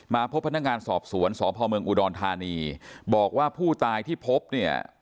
พบพนักงานสอบสวนสพเมืองอุดรธานีบอกว่าผู้ตายที่พบเนี่ย